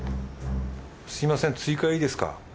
すみません追加いいですか？